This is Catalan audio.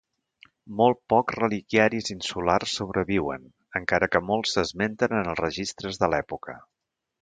Molt pocs reliquiaris insulars sobreviuen, encara que molts s'esmenten en els registres de l'època.